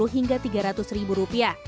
lima puluh hingga tiga ratus ribu rupiah